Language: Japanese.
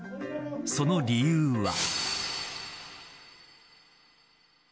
その理由は。